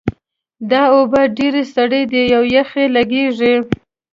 دا اوبه ډېرې سړې دي او یخې لګیږي